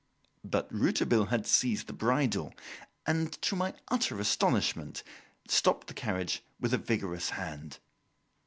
But Rouletabille had seized the bridle and, to my utter astonishment, stopped the carriage with a vigorous hand.